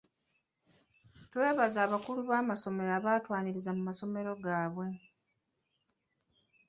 Twebaza abakulu b'amasomero abaatwaniriza mu masomero gaabwe.